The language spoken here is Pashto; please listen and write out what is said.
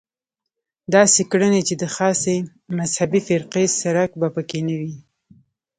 داسې کړنې چې د خاصې مذهبي فرقې څرک به په کې نه وي.